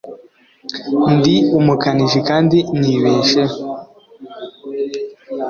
ndi umukanishi kandi nibesheho